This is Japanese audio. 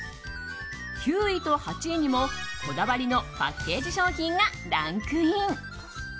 ９位と８位にもこだわりのパッケージ商品がランクイン。